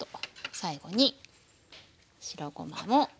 最後に白ごまも。